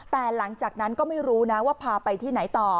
แต่หลังจากนั้นก็ไม่รู้นะว่าพาไปที่ไหนต่อ